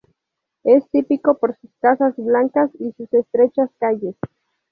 Es típico por sus casas blancas y sus estrechas calles.